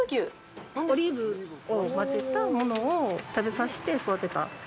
オリーブを混ぜたものを食べさせて育てた。